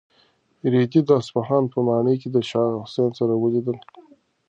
رېدي د اصفهان په ماڼۍ کې د شاه حسین سره ولیدل.